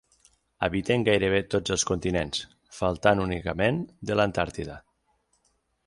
Habiten gairebé tots els continents, faltant únicament de l'Antàrtida.